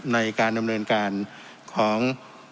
ในการดำเนินการของ